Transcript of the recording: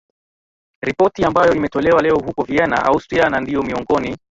ripoti ambayo imetolewa leo huko Vienna Austria na ndio miongoni